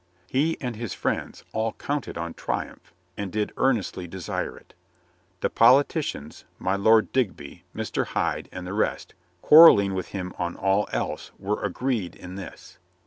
He and his friends all counted on triumph and did ear nestly desire it. The politicians, my Lord Digby, Mr. Hyde and the rest, quarreling with him on all else, were agreed in this.